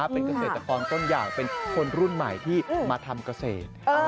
เป็นเกษตรกรต้นอย่างเป็นคนรุ่นใหม่ที่มาทำเกษตร